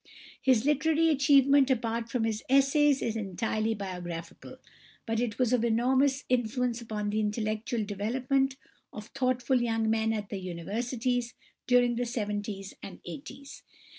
His literary achievement, apart from his essays, is entirely biographical, but it was of enormous influence upon the intellectual development of thoughtful young men at the Universities during the seventies and eighties.